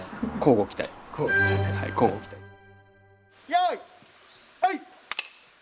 よいはい！